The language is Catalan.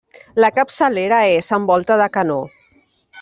La capçalera és amb volta de canó.